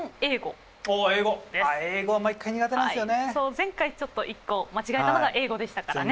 前回ちょっと１個間違えたのが英語でしたからね。